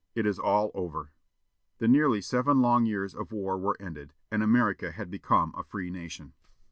it is all over!" The nearly seven long years of war were ended, and America had become a free nation.